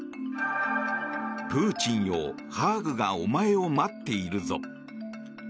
プーチンよハーグがお前を待っているぞ。